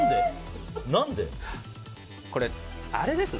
これ、あれですね。